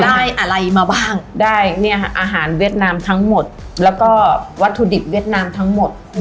ได้อะไรมาบ้างได้เนี่ยค่ะอาหารเวียดนามทั้งหมดแล้วก็วัตถุดิบเวียดนามทั้งหมด